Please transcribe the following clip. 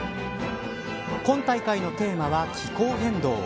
今大会のテーマは気候変動。